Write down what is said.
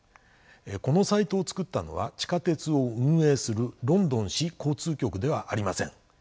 このサイトを作ったのは地下鉄を運営するロンドン市交通局ではありません。